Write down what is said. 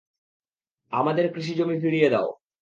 আমাদের কৃষিজমি ফিরিয়ে দাও।